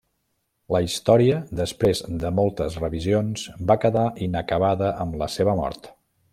La història, després de moltes revisions, va quedar inacabada amb la seva mort.